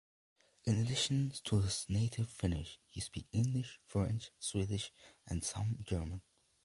In addition to his native Finnish he speaks English, French, Swedish, and some German.